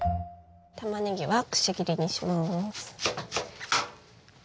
たまねぎはくし切りにします。